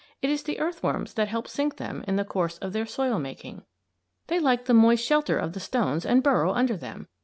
It is the earthworms that help sink them in the course of their soil making. They like the moist shelter of the stones and burrow under them.